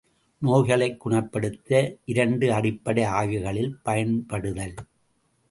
நோய்களைக் குணப்படுத்த இரண்டு அடிப்படை ஆய்வுகளில் பயன்படுதல்.